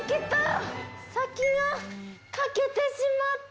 先が欠けてしまった。